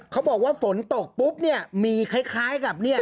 เขาบอกว่าฝนตกปุ๊บเนี่ยมีคล้ายกับเนี่ย